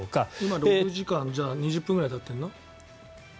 今、６時間２０分ぐらいたっているの？